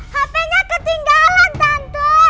hpnya ketinggalan tante